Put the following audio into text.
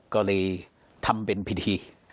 ก็เลยทำเป็นพิธี